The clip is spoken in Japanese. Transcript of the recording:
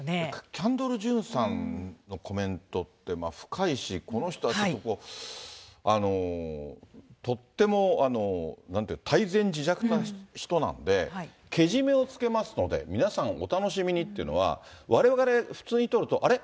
キャンドル・ジュンさんのコメントって、深いし、この人はちょっとこう、とっても、なんていうか、泰然自若とした人なんで、けじめをつけますので、皆さんお楽しみにっていうのは、われわれ普通に取ると、あれ？